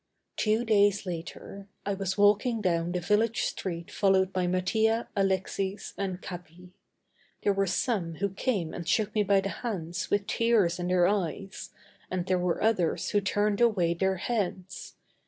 Two days later I was walking down the village street followed by Mattia, Alexix, and Capi. There were some who came and shook me by the hands with tears in their eyes, and there were others who turned away their heads.